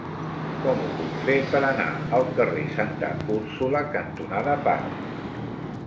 Com ho puc fer per anar al carrer Santa Úrsula cantonada Parc?